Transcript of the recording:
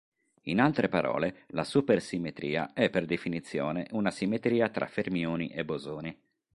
In altre parole la supersimmetria è per definizione una simmetria tra fermioni e bosoni.